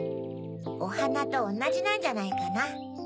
おはなとおなじなんじゃないかな。